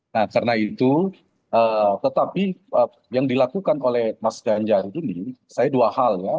nah karena itu tetapi yang dilakukan oleh mas ganjar ini saya dua hal ya